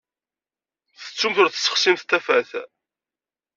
Tettumt ur tessexsimt tafat.